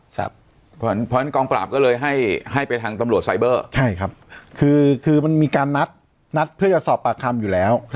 จะมีสี่ครับคือมันมีการนัดนัดเพื่อจะออกปลักคำอยู่แล้ว